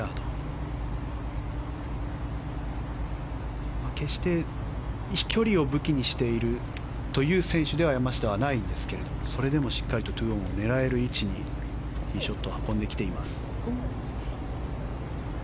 山下は決して飛距離を武器にしている選手ではないんですけどそれでもしっかりと２オンを狙える位置にティーショットを運んできています。